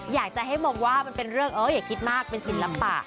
อยากจะให้มองว่ามันเป็นเรื่องเอออย่าคิดมากเป็นศิลปะ